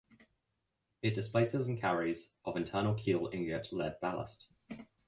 It displaces and carries of internal keel ingot lead ballast.